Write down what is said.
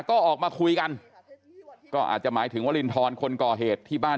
ก็ออกมาคุยกันก็อาจจะหมายถึงวรินทรคนก่อเหตุที่บ้าน